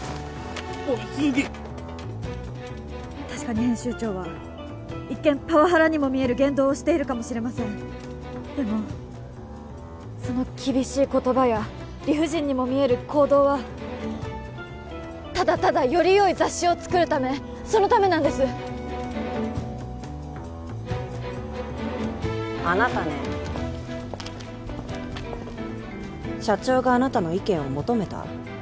確かに編集長は一見パワハラにも見える言動をしているかもしれませんでもその厳しい言葉や理不尽にも見える行動はただただよりよい雑誌を作るためそのためなんですあなたね社長があなたの意見を求めた？